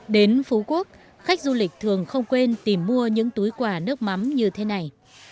đến phú quốc khách du lịch thường không quên tìm mua những túi quà nước mắm như thế này